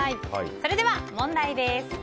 それでは問題です。